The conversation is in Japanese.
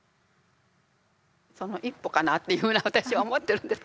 その一歩かなっていうふうに私は思ってるんです。